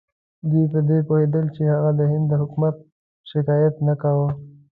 دوی په دې پوهېدل چې هغه د هند له حکومت شکایت نه کاوه.